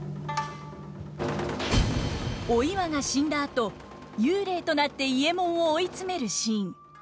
お岩が死んだあと幽霊となって伊右衛門を追い詰めるシーン。